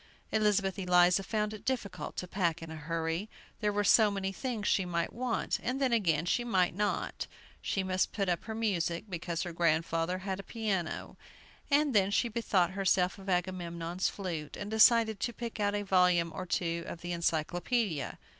Elizabeth Eliza found it difficult to pack in a hurry; there were so many things she might want, and then again she might not. She must put up her music, because her grandfather had a piano; and then she bethought herself of Agamemnon's flute, and decided to pick out a volume or two of the Encyclopædia.